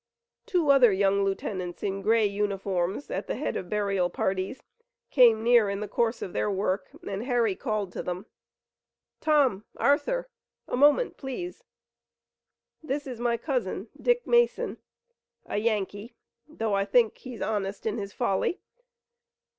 Two other young lieutenants in gray uniforms at the head of burial parties came near in the course of their work, and Harry called to them. "Tom! Arthur! A moment, please! This is my cousin, Dick Mason, a Yankee, though I think he's honest in his folly.